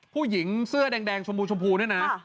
ผู้หญิงเสื้อแดงชมพูชมพูเนี่ยนะ